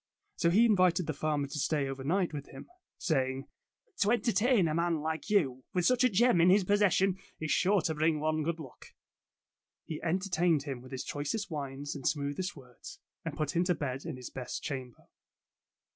So he invited the farmer to stay over night with him, saying: ''To entertain a man like you, with such a gem in his possession, is sure to bring one good luck." He entertained 104 Tales of Modern Germany him with his choicest wines and smoothest words, and put him to bed in his best chamber.